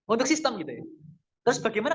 untuk sistem gitu ya terus bagaimana